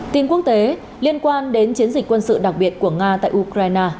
tin quốc tế liên quan đến chiến dịch quân sự đặc biệt của nga tại ukraine